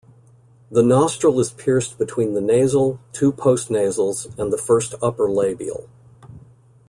The nostril is pierced between the nasal, two postnasals, and the first upper labial.